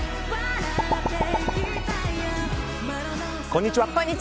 こんにちは。